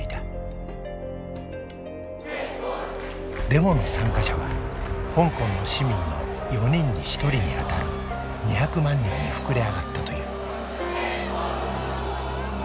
デモの参加者は香港の市民の４人に１人にあたる２００万人に膨れ上がったという。